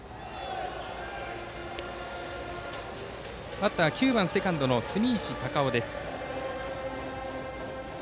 バッターは９番セカンド、住石孝雄です。